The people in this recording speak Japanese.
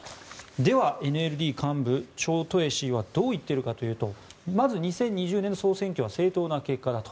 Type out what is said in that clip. では、ＮＬＤ幹部チョウトゥエー氏はどう言っているかというとまず２０２０年の総選挙は正当な結果だと。